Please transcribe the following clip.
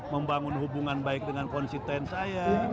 membangun hubungan baik dengan konsisten saya